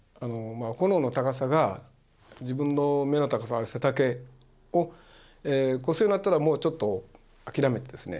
炎の高さが自分の目の高さ背丈を越すようになったらもうちょっと諦めてですね